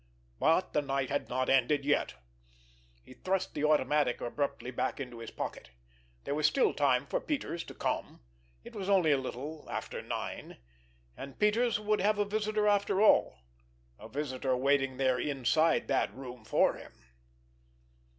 But the night was not ended yet! He thrust the automatic abruptly back into his pocket. There was still time for Peters to come. It was only a little after nine. And Peters would have a visitor after all—a visitor waiting there inside that room for him!